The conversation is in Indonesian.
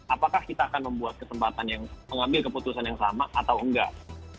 apakah kita akan membuat kesempatan yang mengambil keputusan yang sama atau enggak